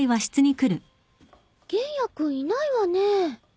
玄弥君いないわね。